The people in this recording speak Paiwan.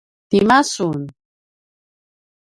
tima sun?